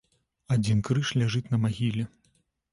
Адзін крыж ляжыць на магіле.